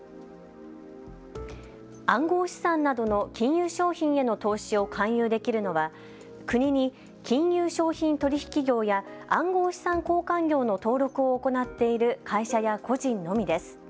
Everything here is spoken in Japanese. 暗号資産などの金融商品への投資を勧誘できるのは国に金融商品取引業や暗号資産交換業の登録を行っている会社や個人のみです。